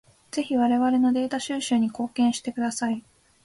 ぜひ我々のデータ収集に貢献してください。